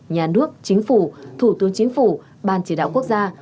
nhà nước chính phủ thủ tướng chính phủ ban chỉ đạo quốc gia